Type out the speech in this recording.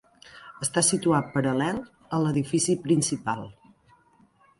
Està situat paral·lel a l'edifici principal.